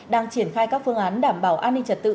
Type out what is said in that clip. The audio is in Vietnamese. đang triển khai các phương án đảm bảo an ninh trật tự